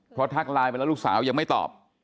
เพราะทักไลน์ไปแล้วลูกสาวยังไม่ตอบ